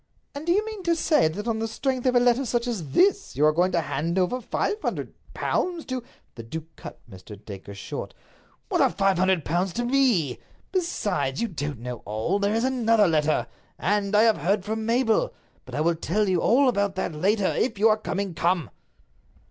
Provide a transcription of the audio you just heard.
"And do you mean to say that on the strength of a letter such as this you are going to hand over five hundred pounds to—" The duke cut Mr. Dacre short. "What are five hundred pounds to me? Besides, you don't know all. There is another letter. And I have heard from Mabel. But I will tell you all about it later. If you are coming, come!"